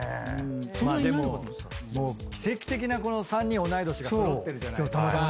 もう奇跡的なこの３人同い年が揃ってるじゃないですか。